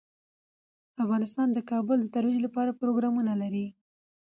افغانستان د کابل د ترویج لپاره پروګرامونه لري.